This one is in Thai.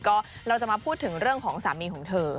ก็เราจะมาพูดถึงเรื่องของสามีของเธอ